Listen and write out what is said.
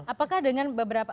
apakah dengan beberapa